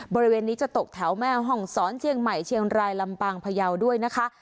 บริเวณนี้จะตกแถวแม่ห้องศรเชียงใหม่เชียงรายลำปางพยาวด้วยนะคะ